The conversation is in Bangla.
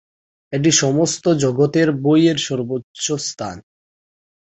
এটি সমস্ত জগতের বাইরে সর্বোচ্চ স্থান।